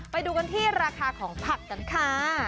ไปดูกันที่ราคาของผักกันค่ะ